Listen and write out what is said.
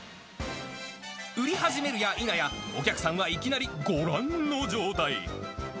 売り始めるやいなや、お客さんはいきなりご覧の状態。